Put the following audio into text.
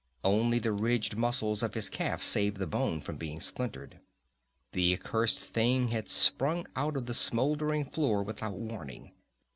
Only the ridged muscles of his calf saved the bone from being splintered. The accursed thing had sprung out of the smoldering floor without warning.